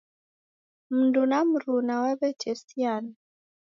Mndu na mruna wawetesiana.